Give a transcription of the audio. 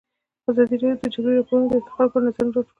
ازادي راډیو د د جګړې راپورونه د ارتقا لپاره نظرونه راټول کړي.